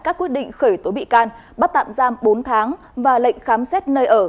các quyết định khởi tố bị can bắt tạm giam bốn tháng và lệnh khám xét nơi ở